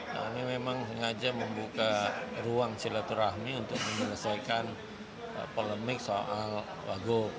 kami memang sengaja membuka ruang silaturahmi untuk menyelesaikan polemik soal wagub